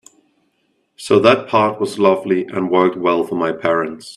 So that part was lovely and worked well for my parents.